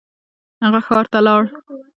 هغه ښار ته لاړ.